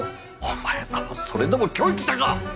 お前らはそれでも教育者か！